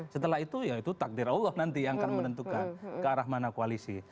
setelah itu ya itu takdir allah nanti yang akan menentukan ke arah mana koalisi